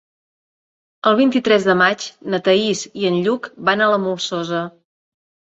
El vint-i-tres de maig na Thaís i en Lluc van a la Molsosa.